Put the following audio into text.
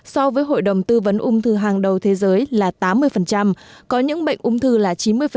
so với hội đồng tư vấn ung thư hàng đầu thế giới là tám mươi có những bệnh ung thư là chín mươi